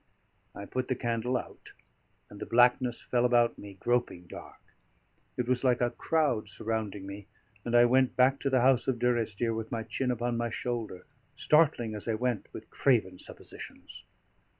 I put the candle out, and the blackness fell about me groping dark; it was like a crowd surrounding me; and I went back to the house of Durrisdeer, with my chin upon my shoulder, startling, as I went, with craven suppositions.